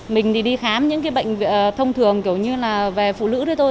mình thì đi khám những cái bệnh thông thường kiểu như là về phụ nữ đấy thôi